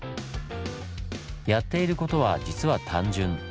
やっていることは実は単純。